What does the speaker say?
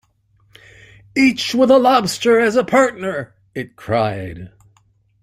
‘Each with a lobster as a partner!’ it cried.